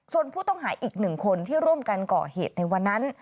ส่วนผู้ต้องหาอีกหนึ่งคนที่ร่วมกันก่อเหตุในวันนั้น